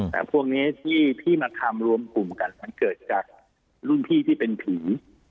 แต่พวกนี้ที่มาทำรวมกลุ่มกันมันเกิดจากรุ่นพี่ที่เป็นผี